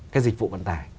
cái dịch vụ vận tải